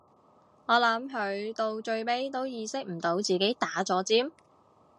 我諗佢到最尾都意識唔到自己打咗尖